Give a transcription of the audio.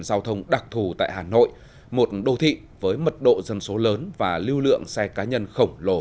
giao thông đặc thù tại hà nội một đô thị với mật độ dân số lớn và lưu lượng xe cá nhân khổng lồ